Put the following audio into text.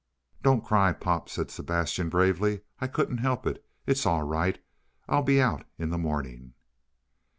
"Don't cry, pop," said Sebastian bravely. "I couldn't help it. It's all right. I'll be out in the morning."